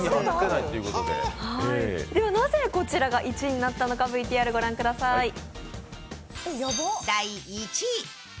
なぜこちらが１位になったのかＶＴＲ御覧ください。